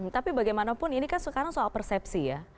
tapi bagaimanapun ini kan sekarang soal persepsi ya